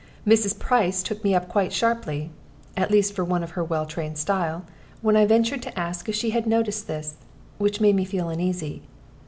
Mrs. Price took me up quite sharply at least for one of her well trained style when I ventured to ask if she had noticed this, which made me feel uneasy.